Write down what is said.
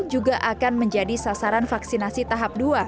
juga akan menjadi sasaran vaksinasi tahap dua